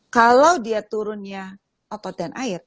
kalau dia turunnya otot dan air